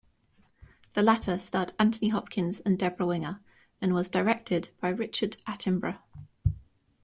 The latter starred Anthony Hopkins and Debra Winger and was directed by Richard Attenborough.